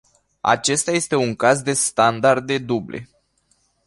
Acesta este un caz de standarde duble.